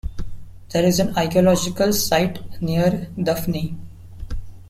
There is an archaeological site near Dafni.